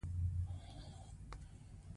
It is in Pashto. ګیلاس له ناورین وروسته ارامتیا راولي.